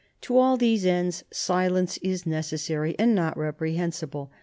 ... To all these ends, silence is necessary and is not reprehensible.